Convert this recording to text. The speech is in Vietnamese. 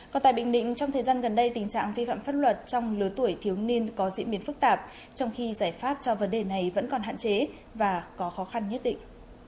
còn tại bình định trong thời gian gần đây tình trạng vi phạm pháp luật trong lứa tuổi thiếu niên có diễn biến phức tạp trong khi giải pháp cho vấn đề này vẫn còn hạn chế và có khó khăn nhất định